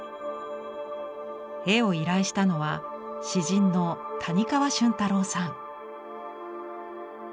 絵を依頼したのは詩人の谷川俊太郎さん。